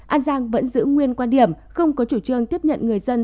an giang vẫn giữ nguyên quan điểm không có chủ trương tiếp nhận người dân